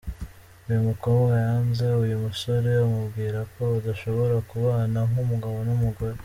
Uyu mukobwa yanze uyu musore amubwira ko badashobora kubana nk’umugabo n’umugore.